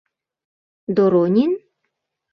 — Доронин?